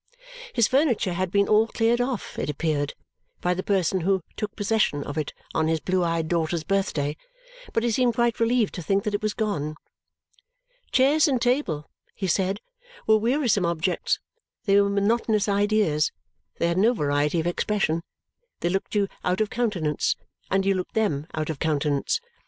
His furniture had been all cleared off, it appeared, by the person who took possession of it on his blue eyed daughter's birthday, but he seemed quite relieved to think that it was gone. Chairs and table, he said, were wearisome objects; they were monotonous ideas, they had no variety of expression, they looked you out of countenance, and you looked them out of countenance.